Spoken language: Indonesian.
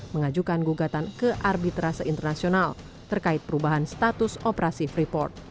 mengajukan gugatan kearbitrasi internasional terkait perubahan status operasi